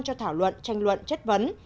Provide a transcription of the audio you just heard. cho thảo luận tranh luận chất vấn